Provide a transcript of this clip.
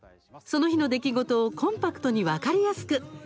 その日の出来事をコンパクトに分かりやすく。